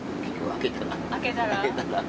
開けたら？